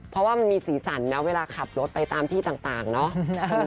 เพราะว่ามันมีสีสันนะเวลาขับรถไปตามที่ต่างเนาะ